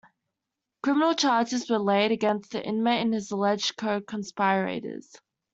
Criminal charges were laid against the inmate and his alleged co-conspirators.